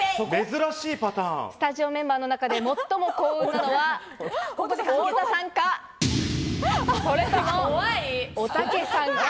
スタジオメンバーの中で最も幸運なのは太田さんか、それとも、おたけさんか？